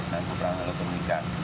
dan peperangan halotermika